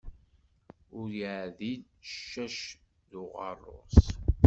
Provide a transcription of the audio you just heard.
Ur yeɛdil ccac d uɣerrus.